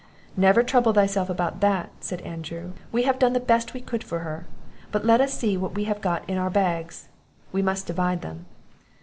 'Never trouble thyself about that,' said Andrew; 'we have done the best we could for her; but let us see what we have got in our bags; we must divide them.